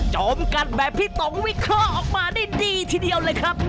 โจมกัดแบบพี่ต๋งวิเคราะห์ออกมาได้ดีทีเดียวเลยครับ